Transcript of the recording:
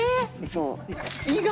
そう。